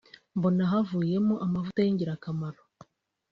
mbona havuyemo amavuta y’ingirakamaro